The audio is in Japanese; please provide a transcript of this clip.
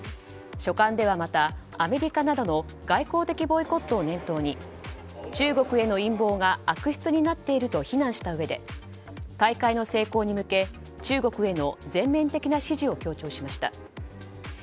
書簡ではまた、アメリカなどの外交的ボイコットを念頭に中国への陰謀が悪質になっていると非難したうえで大会の成功に向け中国への全面的な支持を強調しました。